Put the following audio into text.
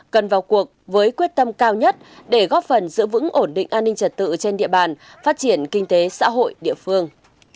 cần vào cuộc với quyết tâm cao nhất để góp phần giữ vững ổn định an ninh trật tự trên địa bàn phát triển kinh tế xã hội địa phương